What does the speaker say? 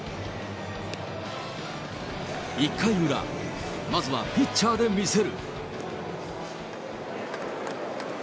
１回裏、まずはピッチャーで見せる。